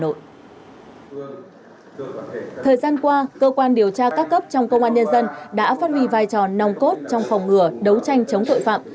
thời gian qua cơ quan điều tra các cấp trong công an nhân dân đã phát huy vai trò nòng cốt trong phòng ngừa đấu tranh chống tội phạm